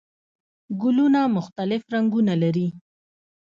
ګلونه مختلف رنګونه لري